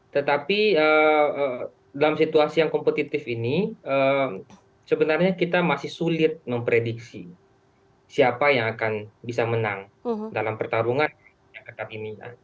tetapi dalam situasi yang kompetitif ini sebenarnya kita masih sulit memprediksi siapa yang akan bisa menang dalam pertarungan yang akan ini